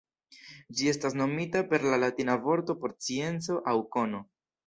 Ĝi estis nomita per la latina vorto por "scienco" aŭ "kono".